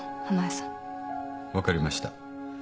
分かりました。